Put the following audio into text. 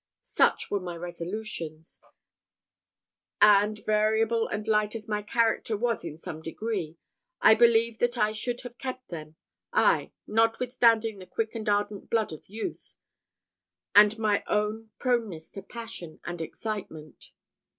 Such were my resolutions; and, variable and light as my character was in some degree, I believe that I should have kept them ay! notwithstanding the quick and ardent blood of youth, and my own proneness to passion and excitement.